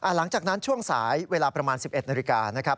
หลังจากนั้นช่วงสายเวลาประมาณ๑๑นาฬิกานะครับ